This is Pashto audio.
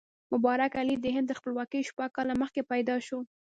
مبارک علي د هند تر خپلواکۍ شپږ کاله مخکې پیدا شو.